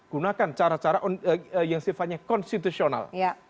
gunakan cara cara yang sifatnya konstitusional